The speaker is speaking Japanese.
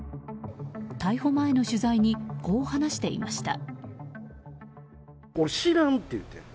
逮捕前の取材にこう話していました。